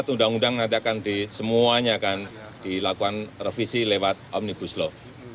empat undang undang nanti akan di semuanya akan dilakukan revisi lewat omnibus law